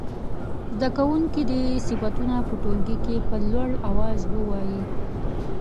زده کوونکي دې صفتونه په ټولګي کې په لوړ اواز ووايي.